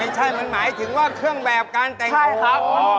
ใช่มันหมายถึงว่าเครื่องแบบการแต่งตัวครับ